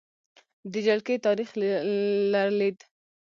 د جلکې تاریخې لرلید: